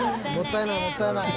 「もったいないね」